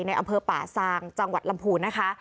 อำเภอป่าซางจังหวัดลำพูนนะคะ